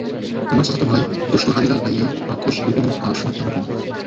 আমার চাচাতো ভাই দুষ্ট হারিলাল ভাইয়া, রাক্ষস দেবি লাল আর শয়তান গঙ্গা।